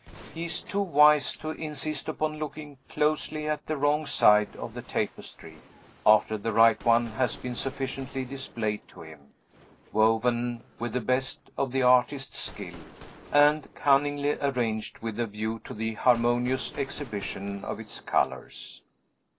He is too wise to insist upon looking closely at the wrong side of the tapestry, after the right one has been sufficiently displayed to him, woven with the best of the artist's skill, and cunningly arranged with a view to the harmonious exhibition of its colors.